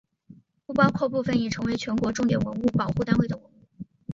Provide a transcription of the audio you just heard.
不包括部分已成为全国重点文物保护单位的文物。